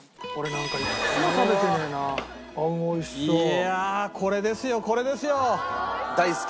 いやあこれですよこれですよ。大好きな。